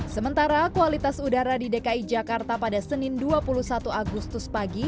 sementara kualitas udara di dki jakarta pada senin dua puluh satu agustus pagi